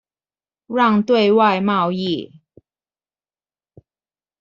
讓對外貿易